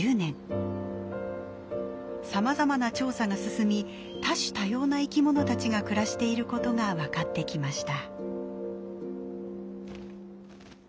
さまざまな調査が進み多種多様な生きものたちが暮らしていることが分かってきました。